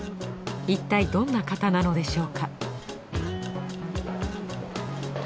いったいどんな方なのでしょうか？